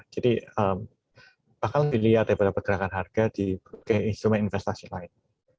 jadi bakal dilihat daripada pergerakan harga di instrument investasi lain